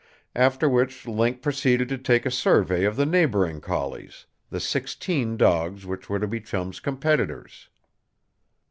After which Link proceeded to take a survey of the neighboring collies, the sixteen dogs which were to be Chum's competitors.